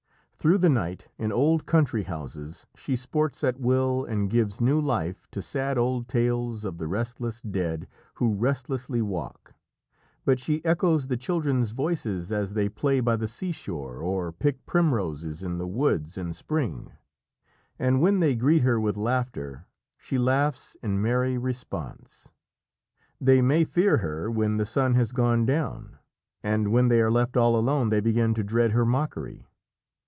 Through the night, in old country houses, she sports at will and gives new life to sad old tales of the restless dead who restlessly walk. But she echoes the children's voices as they play by the seashore or pick primroses in the woods in spring, and when they greet her with laughter, she laughs in merry response. They may fear her when the sun has gone down, and when they are left all alone they begin to dread her mockery.